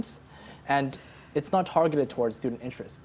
dan tidak tergantung pada keinginan pelajar